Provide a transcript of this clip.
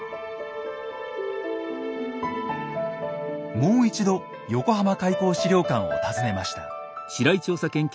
もう一度横浜開港資料館を訪ねました。